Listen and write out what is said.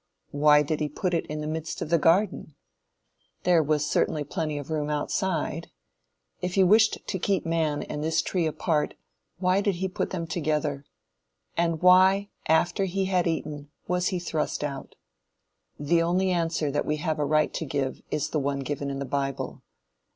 Why did he put it in the midst of the garden? There was certainly plenty of room outside. If he wished to keep man and this tree apart, why did he put them together? And why, after he had eaten, was he thrust out? The only answer that we have a right to give, is the one given in the bible.